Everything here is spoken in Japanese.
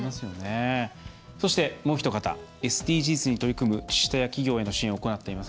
そして、もうひと方ＳＤＧｓに取り組む首都や企業への支援を行っています